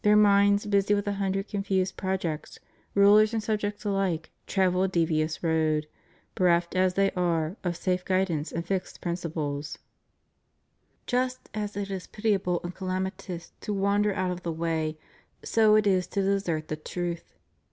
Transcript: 471 minds busy with a hundred confused projects, rulers and subjects alike travel a devious road; bereft, as they are, of safe guidance and fixed principle. Just as it is pitiable and calamitous to wander out of the way, so it is to desert the truth.